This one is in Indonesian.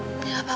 kamu duduk ya